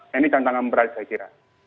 nah ini tantangan berat saya kira